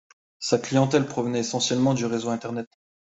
Sa clientèle provenait essentiellement du réseau Internet.